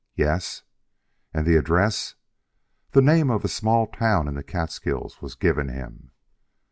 "Yes." "And the address?" The name of a small town in the Catskills was given him.